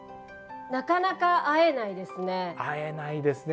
なかなか会えないですね。